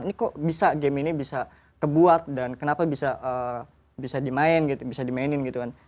ini kok bisa game ini bisa dibuat dan kenapa bisa dimainkan gitu kan